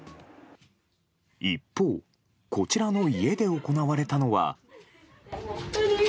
一方こちらの家で行われたのは。